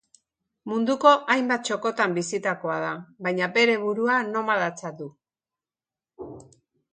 Munduko txoko ezberdinetan bizitakoa da, baina, bere burua nomadatzat du.